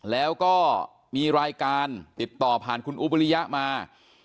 แล้วก็มีรายการติดต่อผ่านคุณอุ๊บริยะมา